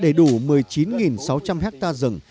để đủ một mươi chín sáu trăm linh hectare rừng